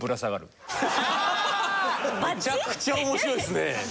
むちゃくちゃ面白いですね。